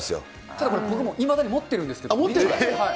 ただこれ、僕も持ってるんですけど。